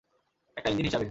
একটা ইঞ্জিন হিসাবে।